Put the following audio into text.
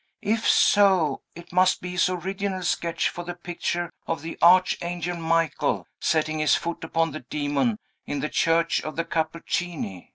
If so, it must be his original sketch for the picture of the Archangel Michael setting his foot upon the demon, in the Church of the Cappuccini.